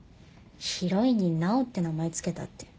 ヒロインにナオって名前付けたって。